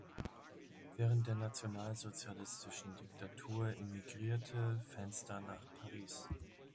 Während der nationalsozialistischen Diktatur emigrierte Fenster nach Paris.